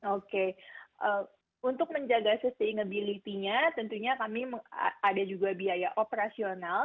oke untuk menjaga sustainability nya tentunya kami ada juga biaya operasional